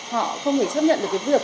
họ không thể chấp nhận được cái việc